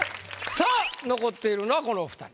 さあ残っているのはこのお二人。